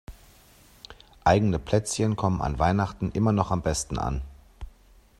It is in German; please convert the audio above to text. Eigene Plätzchen kommen an Weihnachten immer noch am besten an.